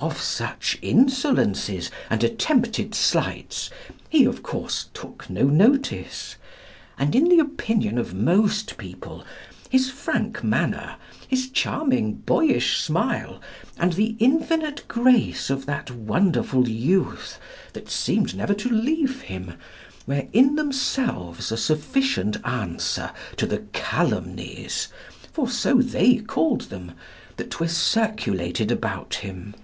Of such insolences and attempted slights, he, of course, took no notice; and in the opinion of most people his frank manner, his charming, boyish smile, and the infinite grace of that wonderful youth that seemed never to leave him were in themselves a sufficient answer to the calumnies (for so they called them) that were circulated about him."